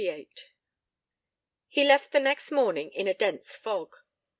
LVIII He left the next morning in a dense fog.